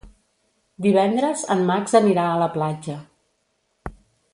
Divendres en Max anirà a la platja.